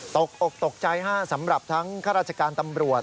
ตกอกตกใจสำหรับทั้งข้าราชการตำรวจ